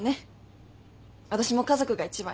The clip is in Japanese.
私も家族が一番よ。